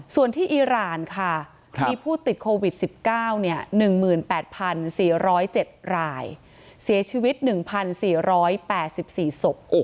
ส่วนที่อีรานค่ะมีผู้ติดโควิด๑๙๑๘๔๐๗รายเสียชีวิต๑๔๘๔ศพ